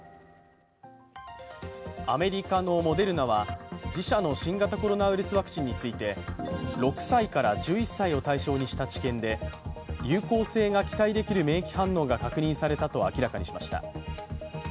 アメリカのモデルナは、自社の新型コロナウイルスワクチンについて６歳から１１歳を対象にした治験で有効性が期待される免疫反応が確認されたと明らかにしました。